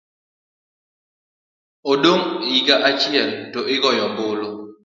Odong' higa achiel to igoyo ombulu.